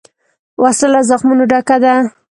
وسله له زخمونو ډکه ده